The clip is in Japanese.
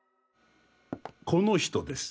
この人です。